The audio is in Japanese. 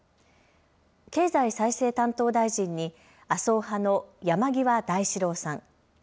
経済再生担当大臣に麻生派の山際大志郎さん。